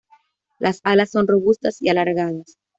Las alas son robustas y alargadas.